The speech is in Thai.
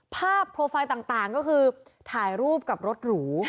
ภาพโปรไฟล์ต่างก็คือถ่ายรูปกับรถหรู